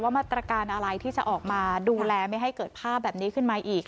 มาตรการอะไรที่จะออกมาดูแลไม่ให้เกิดภาพแบบนี้ขึ้นมาอีก